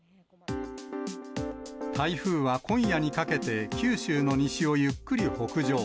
台風は今夜にかけて、九州の西をゆっくり北上。